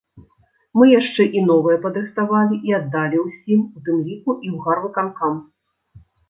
Мы яшчэ і новыя падрыхтавалі і аддалі ўсім, у тым ліку і ў гарвыканкам.